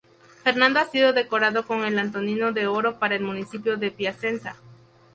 Ferrando ha sido decorado con el "Antonino d'Oro" para el Municipio de Piacenza.